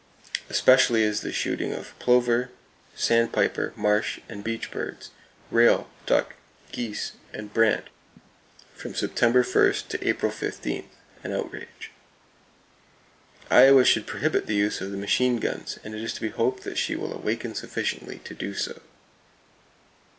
Especially is the shooting of plover, sandpiper, marsh and beach birds, rail, duck, geese and brant from September 1, to April 15, an outrage. Iowa should prohibit the use of the machine guns, and it is to be hoped that she will awaken sufficiently to do so.